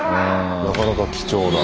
なかなか貴重な。